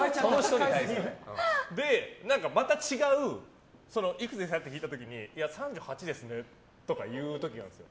また違う、いくつですか？って聞いた時に３８ですねとか言う時あるんですよ。